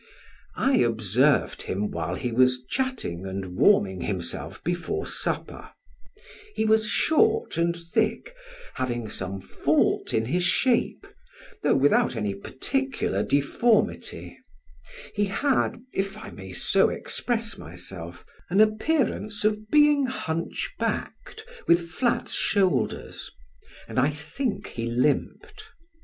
I observed him while he was chatting and warming himself before supper; he was short and thick, having some fault in his shape, though without any particular deformity; he had (if I may so express myself) an appearance of being hunchbacked, with flat shoulders, and I think he limped.